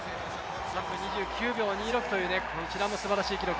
３分２９秒２６という、こちらもすばらしい記録。